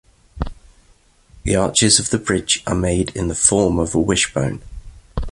The arches of the bridge are made in the form of a wishbone.